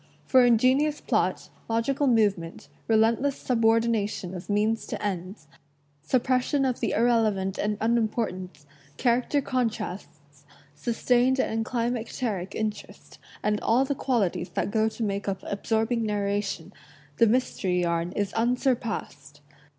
For ingenious plot, log ical movement, relentless subordination of means to ends, suppression of the irrelevant and unimportant, character contrasts, sustained and climacteric interest, and all the qualities that go to make up absorbing narration, the mys tery yarn is unsurpassed.